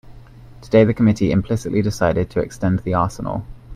Today the committee implicitly decided to extend the arsenal.